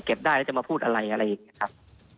ได้แล้วจะมาพูดอะไรอะไรอย่างนี้ครับ